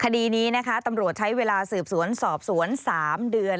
คดีนี้นะคะตำรวจใช้เวลาสืบสวนสอบสวน๓เดือน